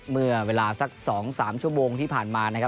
เมื่อเวลาสัก๒๓ชั่วโมงที่ผ่านมานะครับ